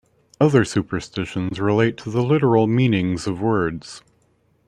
Other superstitions relate to the literal meanings of words.